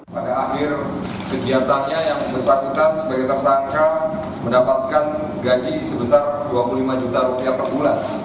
pada akhir kegiatannya yang bersangkutan sebagai tersangka mendapatkan gaji sebesar dua puluh lima juta rupiah per bulan